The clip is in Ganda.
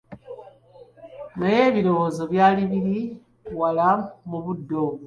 Naye ebirowoozo byali biri wala mudde obwo.